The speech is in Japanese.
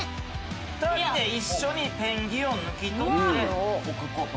２人で一緒にペンギンを抜き取って置く事と。